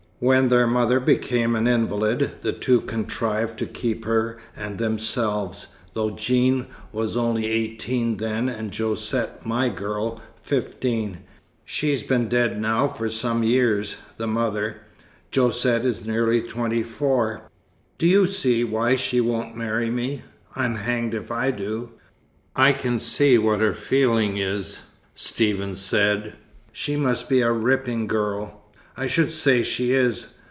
When their mother became an invalid, the two contrived to keep her and themselves, though Jeanne was only eighteen then, and Josette, my girl, fifteen. She's been dead now for some years the mother. Josette is nearly twenty four. Do you see why she won't marry me? I'm hanged if I do." "I can see what her feeling is," Stephen said. "She must be a ripping girl." "I should say she is!